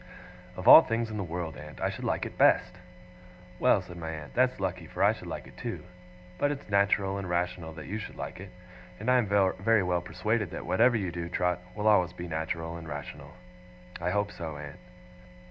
'Of all things in the world, aunt, I should like it best!' 'Well,' said my aunt, 'that's lucky, for I should like it too. But it's natural and rational that you should like it. And I am very well persuaded that whatever you do, Trot, will always be natural and rational.' 'I hope so, aunt.